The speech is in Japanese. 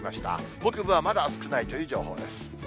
北部はまだ少ないという情報です。